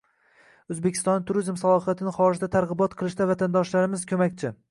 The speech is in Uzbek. O‘zbekistonning turizm salohiyatini xorijda targ‘ibot qilishda vatandoshlarimiz ko‘makchi